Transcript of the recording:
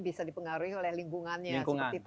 bisa dipengaruhi oleh lingkungannya lingkungan betul